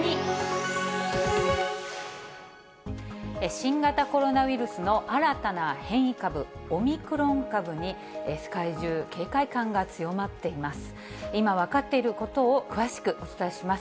新型コロナウイルスの新たな変異株、オミクロン株に世界中、警戒感が強まっています。